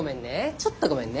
ちょっとごめんね。